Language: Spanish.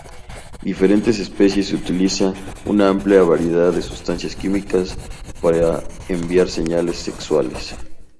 Diferentes especies utiliza una amplia variedad de sustancias químicas para enviar señales sexuales.